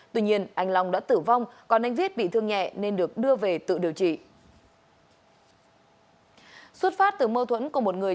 tuy nhiên anh long đã tử vong còn anh viết bị thương nhẹ nên được đưa về tự điều trị